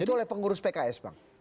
itu oleh pengurus pks bang